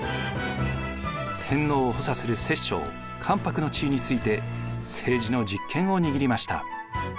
天皇を補佐する摂政・関白の地位について政治の実権を握りました。